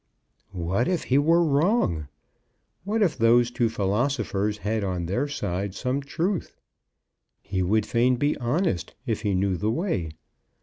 What if he were wrong! What if those two philosophers had on their side some truth! He would fain be honest if he knew the way.